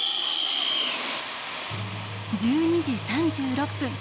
１２時３６分